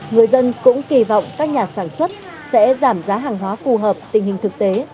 người dân cũng kỳ vọng các nhà sản xuất sẽ giảm giá hàng hóa phù hợp tình hình thực tế